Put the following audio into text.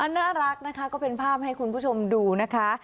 น่ารักนะคะก็เป็นภาพให้คุณผู้ชมดูนะคะ